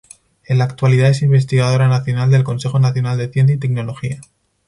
En la actualidad es Investigadora nacional del Consejo Nacional de Ciencia y Tecnología.